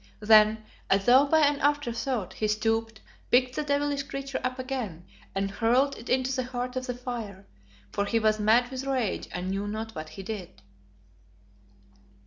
Then, as though by an afterthought, he stooped, picked the devilish creature up again and hurled it into the heart of the fire, for he was mad with rage and knew not what he did.